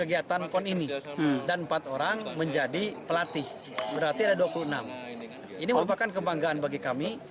ini merupakan kebanggaan bagi kami